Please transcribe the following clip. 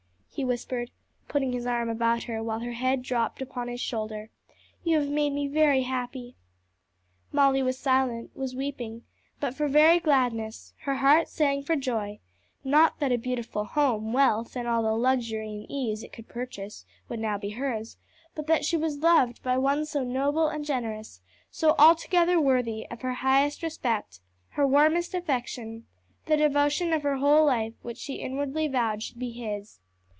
he whispered, putting his arm about her, while her head dropped upon his shoulder, "you have made me very happy." Molly was silent, was weeping, but for very gladness; her heart sang for joy; not that a beautiful home, wealth, and all the luxury and ease it could purchase, would now be hers, but that she was loved by one so noble and generous, so altogether worthy of her highest respect, her warmest affection, the devotion of her whole life, which she inwardly vowed should be his.